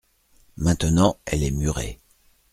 Maintenant elle est murée.